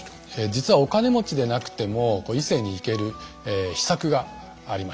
実はお金持ちでなくても伊勢に行ける秘策がありました。